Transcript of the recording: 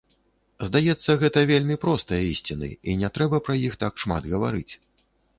Здаецца, гэта вельмі простыя ісціны і не трэба пра іх так шмат гаварыць.